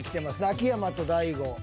秋山と大悟。